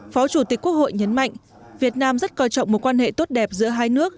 phó chủ tịch quốc hội nhấn mạnh việt nam rất coi trọng mối quan hệ tốt đẹp giữa hai nước